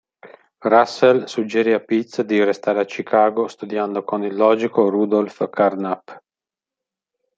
Russell suggerì a Pitts di restare a Chicago, studiando con il logico Rudolf Carnap.